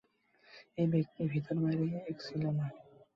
এই ব্যক্তির ভিতর বাহির এক ছিল না।